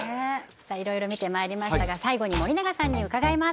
いろいろ見てまいりましたが最後に森永さんに伺います